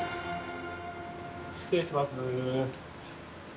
失礼します。